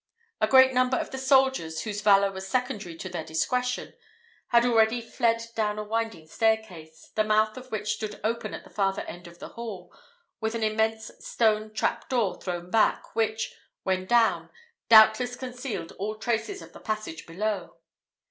A great number of the soldiers, whose valour was secondary to their discretion, had already fled down a winding staircase, the mouth of which stood open at the farther end of the hall, with an immense stone trap door thrown back, which, when down, doubtless concealed all traces of the passage below.